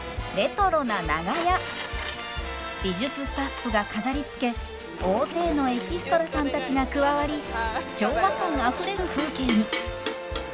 美術スタッフが飾りつけ大勢のエキストラさんたちが加わり昭和感あふれる風景に。